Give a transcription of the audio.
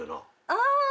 ああ。